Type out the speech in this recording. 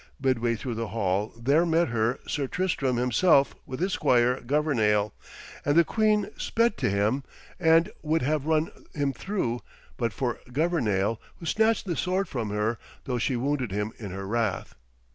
Midway through the hall there met her Sir Tristram himself with his squire Governale, and the queen sped to him and would have run him through, but for Governale, who snatched the sword from her, though she wounded him in her wrath.